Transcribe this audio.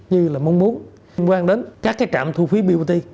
như là mong muốn liên quan đến các cái trạm thu phí biểu tư